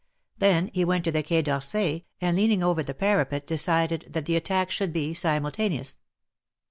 Then he went to the Quai d^Orsay, and leaning over the parapet decided that the attack should be simultaneous.